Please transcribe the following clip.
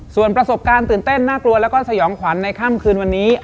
ส่วนประสบการณ์ตื่นเต้นน่ากลัวแล้วก็สยองขวัญในค่ำคืนวันนี้